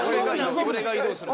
俺が移動する。